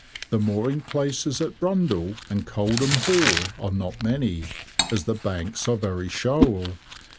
The mooring places at Brundall and Coldham Hall are not many, as the banks are very shoal.